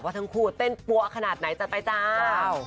ทั้งคู่เต้นปั๊วขนาดไหนจัดไปเจ้า